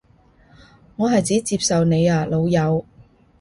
我係指接受你啊老友